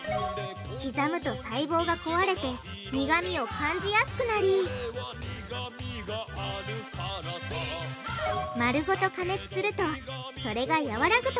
刻むと細胞が壊れて苦味を感じやすくなり丸ごと加熱するとそれがやわらぐと考えられるんだ